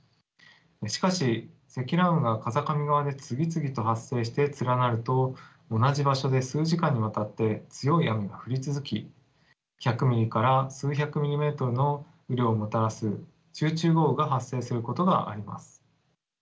しかし積乱雲が風上側で次々と発生して連なると同じ場所で数時間にわたって強い雨が降り続き１００ミリから数百ミリメートルの雨量をもたらす集中豪雨が発生することがあります。